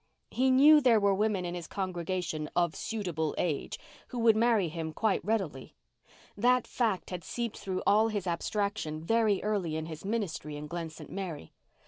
He knew there were women in his congregation "of suitable age" who would marry him quite readily. That fact had seeped through all his abstraction very early in his ministry in Glen St. Mary.